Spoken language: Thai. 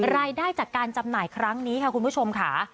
รายได้จากการจำหน่ายครั้งนี้ค่ะคุณผู้ชมค่ะ